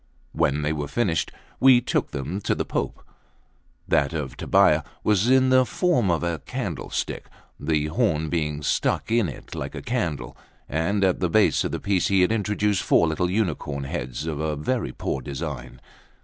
When they were finished, we took them to the Pope. That of Tobbia was in the form of a candlestick, the horn being stuck in it like a candle, and at the base of the piece he had introduced four little unicorns' heads of a very poor design.